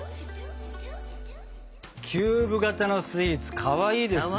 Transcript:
キューブ型のスイーツかわいいですね。